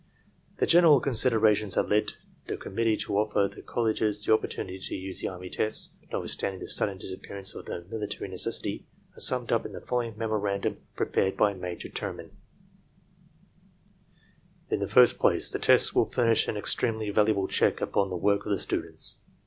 The general considerations that led the Conmiittee to offer to the colleges the opportunity to use the army tests, notwith standing the sudden disappearance of the military necessity, are summed up in the following memorandum prepared by Major Terman. "In the first place, the tests will furnish an extremely valuable check upon the work of the students.